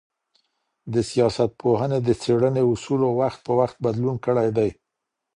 د سياست پوهني د څېړني اصولو وخت په وخت بدلون کړی دی.